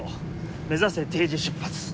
目指せ定時出発。